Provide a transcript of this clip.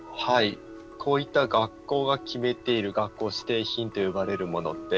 こういった学校が決めている学校指定品と呼ばれるものって